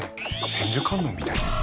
千手観音みたいです。